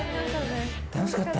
楽しかった？